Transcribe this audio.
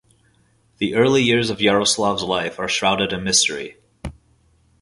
The early years of Yaroslav's life are shrouded in mystery.